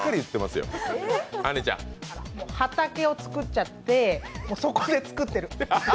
畑を作っちゃって、そこで作ってる。